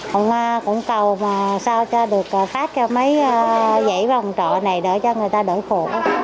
cũng cầu mà sao cho được phát cho mấy dãy vòng trọ này để cho người ta đỡ khổ